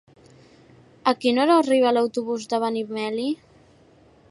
A quina hora arriba l'autobús de Benimeli?